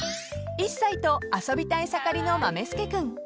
［１歳と遊びたい盛りのまめ助くん］